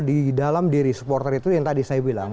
di dalam diri supporter itu yang tadi saya bilang